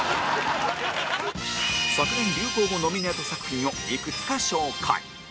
昨年流行語ノミネート作品をいくつか紹介